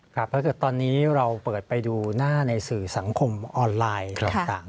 ถ้าเกิดตอนนี้เราเปิดไปดูหน้าในสื่อสังคมออนไลน์ต่าง